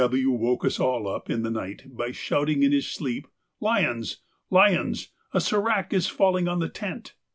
_—W. woke us all up in the night by shouting in his sleep, 'Lyons, Lyons, a serac is falling on the tent!